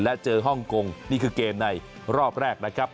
และเจอฮ่องกงนี่คือเกมในรอบแรกนะครับ